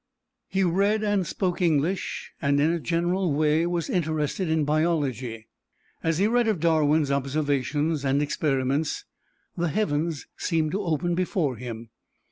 He read and spoke English, and in a general way was interested in biology. As he read of Darwin's observations and experiments the heavens seemed to open before him.